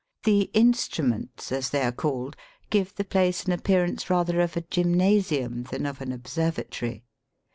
The instruments, as they are called, give the place an appearance rather of a gymnasium than of an observatory.